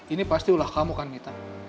ini pasti ulah kamu kan mita